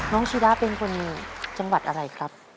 ชีด้าเป็นคนจังหวัดอะไรครับ